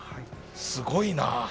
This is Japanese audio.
すごいな。